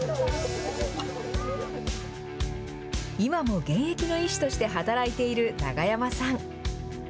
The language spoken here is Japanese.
今も現役の医師として働いている永山さん。